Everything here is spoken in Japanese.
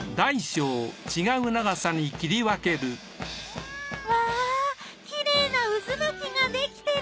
うわぁきれいな渦巻きができてる！